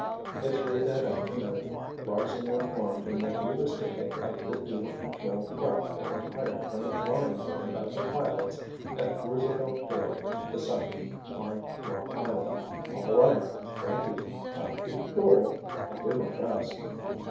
At three that afternoon Larsen informed him that he was to take up the dual control craft they had hired from a flying friend of the pilot's at Roosevelt Field the second, on Long Island. "All right—thank you. I'll keep cool—and do my best."